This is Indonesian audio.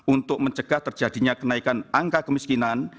untuk mencegah terjadinya kenaikan angka kemiskinan